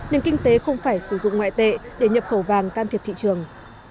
nền kinh tế không phải sử dụng ngoại tệ để nhập khẩu vàng can thiệp thị trường